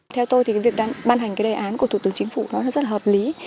theo tôi thì việc ban hành đề án của thủ tướng chính phủ nó rất là hợp lý